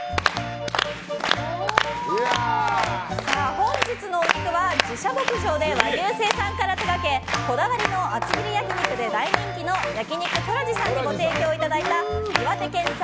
本日のお肉は自社牧場で和牛の生産から手掛けこだわりの厚切り焼き肉で大人気の焼肉トラジさんにご提供いただいた岩手県産